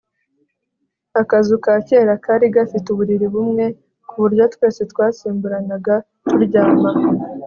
akazu ka kera kari gafite uburiri bumwe, ku buryo twese twasimburanaga turyama